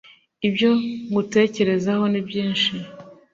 ibyo ngutekerezaho ni byinshi